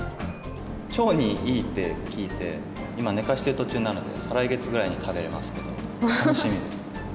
腸にいいって聞いて、今、寝かしている途中なんで、再来月ぐらいに食べれますけど、楽しみですね。